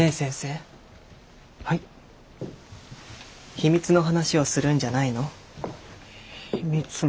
秘密の話をするんじゃないの？